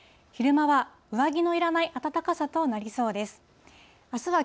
昼間は上着のいらない暖かさとなりそうです。